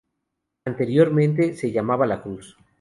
Anteriormente se llamaba La Cruz.